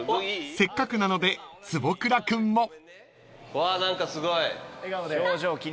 ［せっかくなので坪倉君も］わ何かすごい。